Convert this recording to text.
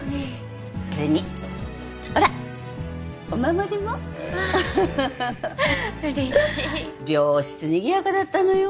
それにほらお守りもへえ嬉しい病室にぎやかだったのよ